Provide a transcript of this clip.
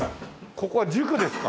ここは塾ですか？